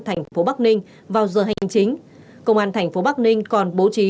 tp bắc ninh vào giờ hành chính công an tp bắc ninh còn bố trí